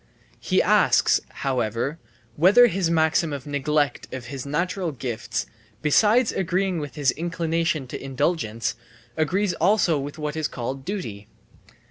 He asks, however, whether his maxim of neglect of his natural gifts, besides agreeing with his inclination to indulgence, agrees also with what is called duty.